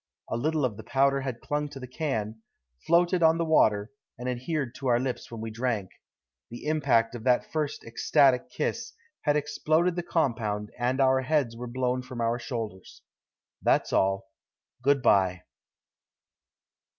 A little of the powder had clung to the can, floated on the water, and adhered to our lips when we drank. The impact of that first ecstatic kiss had exploded the compound and our heads were blown from our shoulders. That's all. Good by."